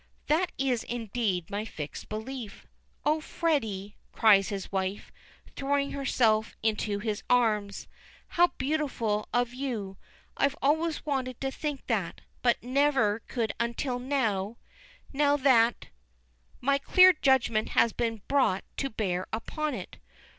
"That is indeed my fixed belief." "Oh, Freddy!" cries his wife, throwing herself into his arms. "How beautiful of you, I've always wanted to think that, but never could until now now that " "My clear judgment has been brought to bear upon it.